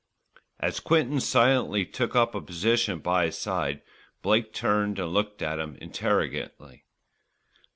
As Quinton silently took up a position by his side, Blake turned and looked at him interrogatingly.